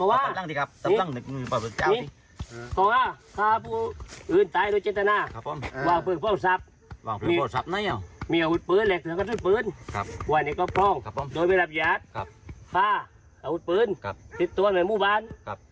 อาหุธปืนครับติดตัวในมุมวารครับ